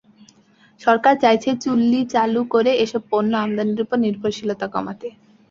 সরকার চাইছে, চুল্লি চালু করে এসব পণ্য আমদানির ওপর নির্ভরশীলতা কমাতে।